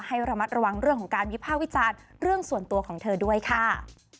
ให้ระมัดระวังเรื่องของการวิภาควิจารณ์เรื่องส่วนตัวของเธอด้วยค่ะ